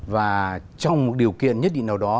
và trong một điều kiện nhất định nào đó